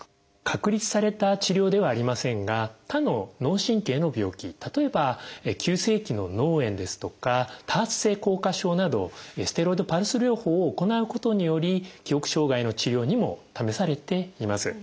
確立された治療ではありませんが他の脳神経の病気例えば急性期の脳炎ですとか多発性硬化症などステロイドパルス療法を行うことにより記憶障害の治療にも試されています。